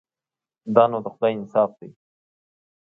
دا نو د خدای انصاف دی.